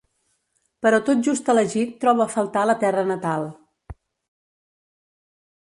Però tot just elegit troba a faltar la terra natal.